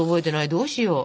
どうしよう。